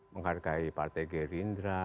menghargai partai geri indra